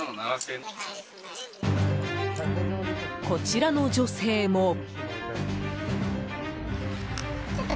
こちらの女性も。